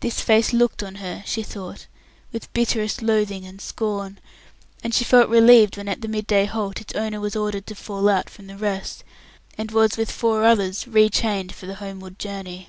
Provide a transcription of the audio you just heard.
This face looked on her she thought with bitterest loathing and scorn, and she felt relieved when at the midday halt its owner was ordered to fall out from the rest, and was with four others re chained for the homeward journey.